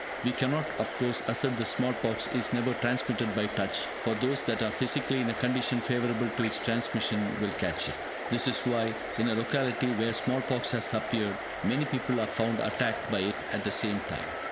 We cannot, of course, assert that small pox is never transmitted by touch, for those that are physically in a condition favourable to its transmission will catch it. This is why, in a locality where small pox has appeared, many people are found attacked by it at the same time.